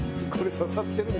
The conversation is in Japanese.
刺さってるか？